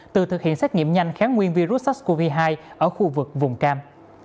từ thực hiện xét nghiệm nhanh kháng nguyên virus sars cov hai ở khu vực vùng cam